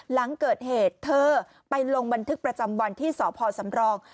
หลังเกิดเหตุเธอไปลงบันทึกประจำวันที่สพสำรอง